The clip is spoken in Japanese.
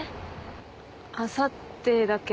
あさってだけど。